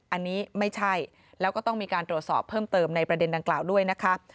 อันนี้ไม่ใช่แล้วก็ต้องมีการตรวจสอบเพิ่มเติมในประเด็นดังกล่าวด้วยนะคะ